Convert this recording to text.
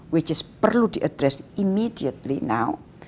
yang harus diadres langsung sekarang